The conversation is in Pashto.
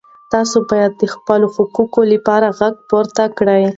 تاسو باید د خپلو حقوقو لپاره غږ پورته کړئ.